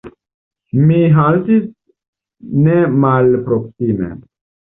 Mi haltis nemalproksime.